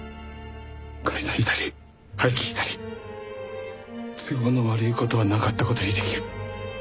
改ざんしたり廃棄したり都合の悪い事はなかった事にできる。